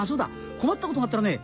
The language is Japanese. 困ったことがあったらね